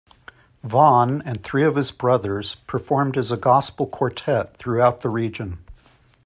Vaughan and three of his brothers performed as a gospel quartet throughout the region.